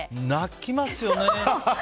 泣きますよね。